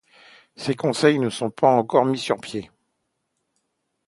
Ces conseils ne sont pas encore mis sur pieds.